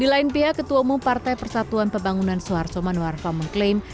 dilain pihak ketua umum partai persatuan pembangunan suharto manuarfa mengklaim